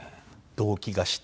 動悸がして。